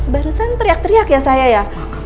barusan teriak teriak ya saya ya